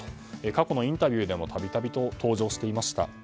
過去のインタビューでも度々と登場していました。